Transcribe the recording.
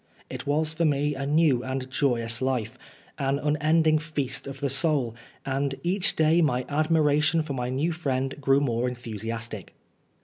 It was for me a new and joyous life, an unending feast of the soul, and each day my admiration for my new friend grew more enthusiastic.